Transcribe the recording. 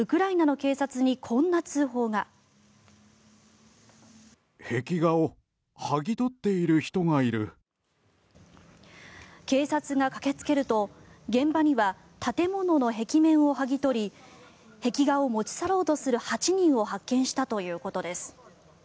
警察が駆けつけると現場には建物の壁面を剥ぎ取り壁画を持ち去ろうとする８人を発見したということです。